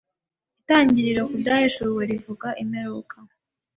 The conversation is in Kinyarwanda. Itangiriro ku Byahishuwe rivuga imperuka